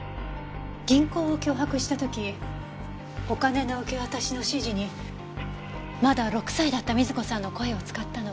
銀行を脅迫した時お金の受け渡しの指示にまだ６歳だった瑞子さんの声を使ったのはどうして？